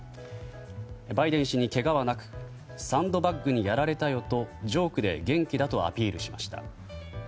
バイデン氏にけがはなくサンドバッグにやられたよとジョークで元気だとアピールしました。